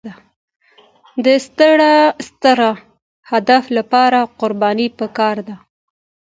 د ستر هدف لپاره قرباني پکار ده.